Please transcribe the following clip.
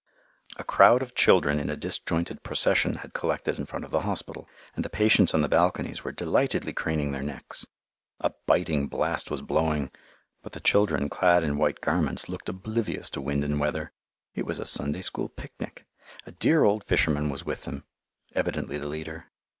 A crowd of children in a disjointed procession had collected in front of the hospital, and the patients on the balconies were delightedly craning their necks. A biting blast was blowing, but the children, clad in white garments, looked oblivious to wind and weather. It was a Sunday School picnic. A dear old fisherman was with them, evidently the leader.